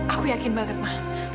aku yakin banget mas